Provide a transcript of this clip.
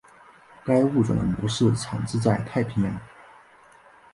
该物种的模式产地在太平洋。